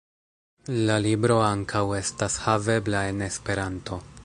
La libro ankaŭ estas havebla en Esperanto.